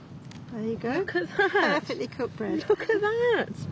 はい！